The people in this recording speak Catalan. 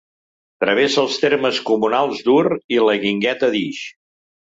Travessa els termes comunals d'Ur i la Guingueta d'Ix.